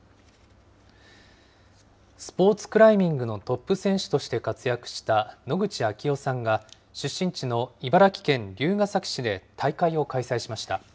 スポーツクライミングのトップ選手として活躍した野口啓代さんが、出身地の茨城県龍ケ崎市で大会を開催しました。